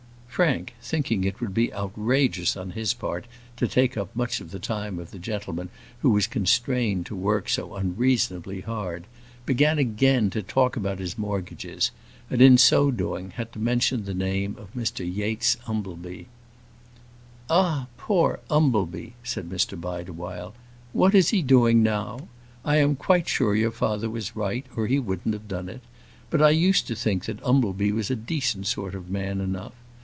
Frank, thinking it would be outrageous on his part to take up much of the time of the gentleman who was constrained to work so unreasonably hard, began again to talk about his mortgages, and, in so doing, had to mention the name of Mr Yates Umbleby. "Ah, poor Umbleby!" said Mr Bideawhile; "what is he doing now? I am quite sure your father was right, or he wouldn't have done it; but I used to think that Umbleby was a decent sort of man enough.